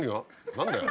何だよ。